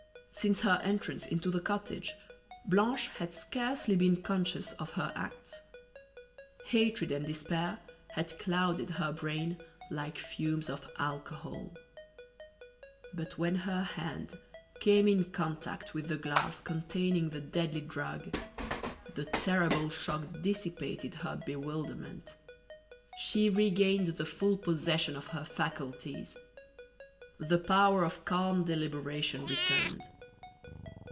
Since her entrance into the cottage Blanche had scarcely been conscious of her acts. Hatred and despair had clouded her brain like fumes of alcohol. But when her hand came in contact with the glass containing the deadly drug, the terrible shock dissipated her bewilderment; she regained the full possession of her faculties; the power of calm deliberation returned.